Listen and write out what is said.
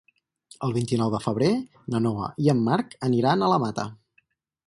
El vint-i-nou de febrer na Noa i en Marc aniran a la Mata.